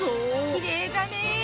きれいだね。